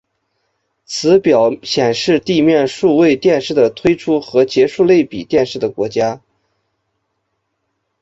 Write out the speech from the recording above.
此表显示地面数位电视的推出和结束类比电视的国家。